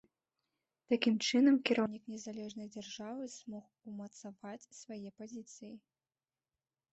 Такім чынам, кіраўнік незалежнай дзяржавы змог умацаваць свае пазіцыі.